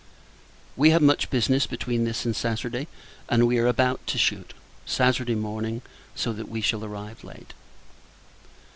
We have much business between this and Saturday: and we are to shoot, Saturday morning; so that we shall arrive late.